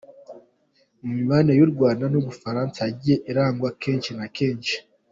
Mu mibanire y’u Rwanda n’Ubufransa yagiye irangwa kenshi na kenshi